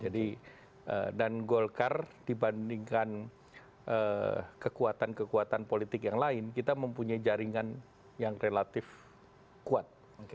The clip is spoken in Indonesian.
dan golkar dibandingkan kekuatan kekuatan politik yang lain kita mempunyai jaringan yang relatif kuat